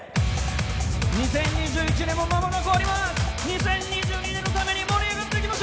２０２１年も間もなく終わります！